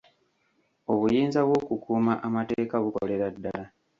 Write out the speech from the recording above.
Obuyinza bw'okukuuma amateeka bukolera ddala .